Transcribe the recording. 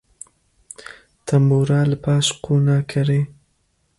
Tembûra li paş qûna kerê.